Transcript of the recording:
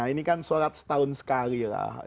ini kan sholat setahun sekali lah